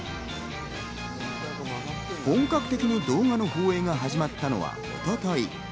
本格的に動画の放映が始まったのは、一昨日。